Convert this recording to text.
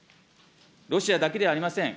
ロシアだけではありません。